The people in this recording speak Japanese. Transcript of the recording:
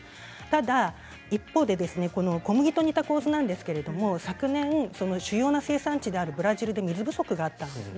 ただ一方で、小麦と似た構図なんですが昨年、主要な生産地であるブラジルで水不足があったんです。